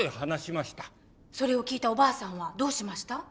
それを聞いたおばあさんはどうしました？